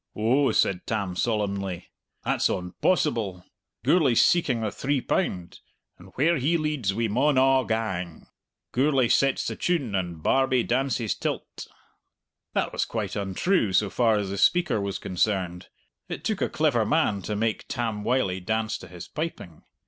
"Oh," said Tam solemnly, "that's on possible! Gourlay's seeking the three pound! and where he leads we maun a' gang. Gourlay sets the tune, and Barbie dances till't." That was quite untrue so far as the speaker was concerned. It took a clever man to make Tam Wylie dance to his piping.